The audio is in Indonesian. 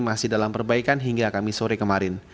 masih dalam perbaikan hingga kami sore kemarin